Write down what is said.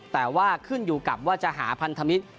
แต่ว่าขึ้นอยู่กับว่าจะหาพันธมิตร